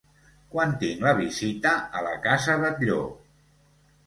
Quan tinc la visita a la casa Batlló?